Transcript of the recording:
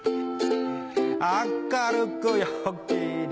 明るく陽気に